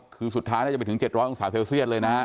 คือสุดท้ายน่าจะไปถึง๗๐๐องศาเซลเซียสเลยนะฮะ